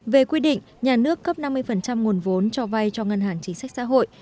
về quy định nhà nước cấp năm mươi nguồn vốn cho vay cho ngân hàng chính sách xã hội